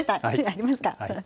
やりますか。